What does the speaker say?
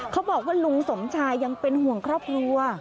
เขาบอกว่าลุงสมชายยังเป็นห่วงครอบครัว